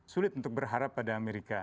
sulit untuk berharap pada amerika